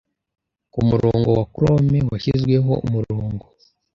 kumurongo wa chrome washyizweho umurongo.